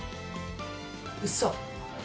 うそ！